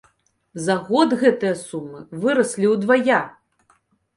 За год гэтыя сумы выраслі ўдвая!